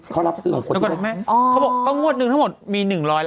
เขารับซื้อโดยเขาบอกต้องงวดนึงทั้งหมดมี๑๐๐๐๐๐ใบถูกไหมฮะ